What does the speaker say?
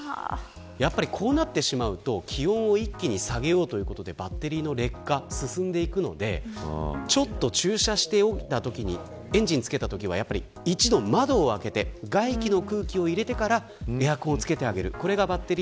やっぱり、こうなってしまうと気温を一気に下げようということでバッテリーの劣化が進んでいくのでちょっと駐車しておいたときにエンジンをつけたときに一度窓を開けて外気を入れてからエアコンをつけてあげる。